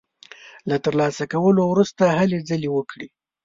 له تر لاسه کولو وروسته هلې ځلې وکړي.